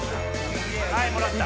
はいもらった。